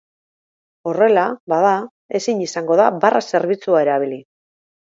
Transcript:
Horrela, bada, ezingo da barra zerbitzua erabili.